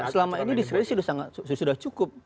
iya selama ini diskusi sudah cukup